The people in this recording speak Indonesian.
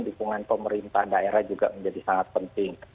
dukungan pemerintah daerah juga menjadi sangat penting